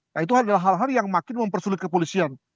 nah itu adalah hal hal yang makin mempersulit kepolisian